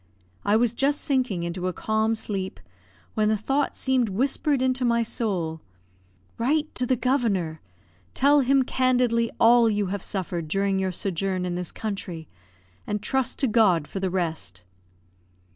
I was just sinking into a calm sleep when the thought seemed whispered into my soul, "Write to the Governor; tell him candidly all you have suffered during your sojourn in this country; and trust to God for the rest."